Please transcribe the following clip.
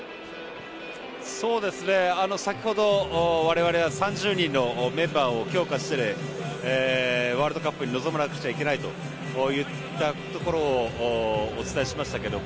先程、我々は３０人のメンバーを強化してワールドカップに臨まなくちゃいけないといったところをお伝えしましたが。